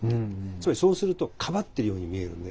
つまりそうするとかばってるように見えるんで。